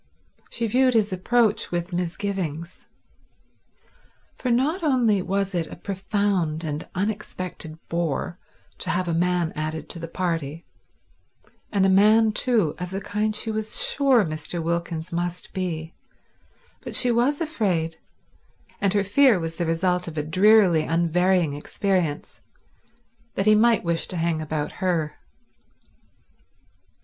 She viewed his approach with misgivings. For not only was it a profound and unexpected bore to have a man added to the party, and a man, too, of the kind she was sure Mr. Wilkins must be, but she was afraid—and her fear was the result of a drearily unvarying experience —that he might wish to hang about her.